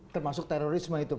termasuk terorisme itu